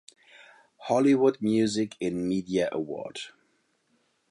Hollywood Music In Media Award